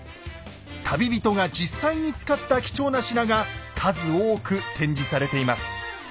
旅人が実際に使った貴重な品が数多く展示されています。